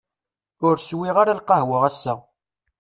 Ur swiɣ ara lqahwa ass-a.